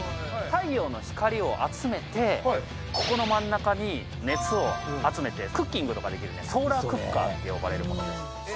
太陽の光を集めてここの真ん中に熱を集めてクッキングとかできるねソーラークッカーと呼ばれるものです